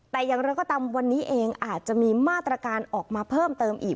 แต่อย่างไรก็ตามวันนี้เองอาจจะมีมาตรการออกมาเพิ่มเติมอีก